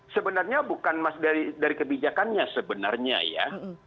sebenarnya bukan dari kebijakannya sebenarnya ya